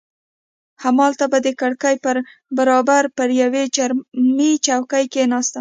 همالته به د کړکۍ پر برابري پر یوې چرمي چوکۍ کښېناستم.